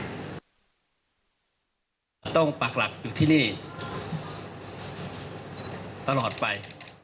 เราต้องปักหลักอยู่ที่นี่ตลอดไป